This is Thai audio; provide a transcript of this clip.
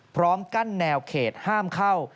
พร้อมกั้นแนวเขตห้ามเข้า